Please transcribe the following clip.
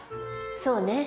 そうね。